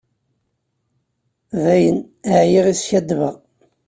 Dayen, ɛyiɣ i skaddbeɣ.